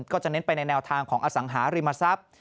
เน้นไปในแนวทางของอสังหาริมทรัพย์